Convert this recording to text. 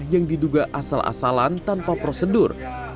yang diduga asal asalan tanpa prosedur